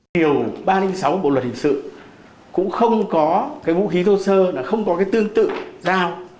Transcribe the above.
điều ba trăm linh sáu bộ luật hình sự cũng không có cái vũ khí thô sơ không có cái tương tự dao